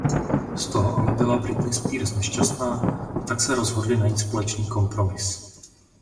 Z toho ale byla Britney Spears nešťastná a tak se rozhodli najít společný kompromis.